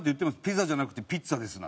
「ピザじゃなくてピッツァです」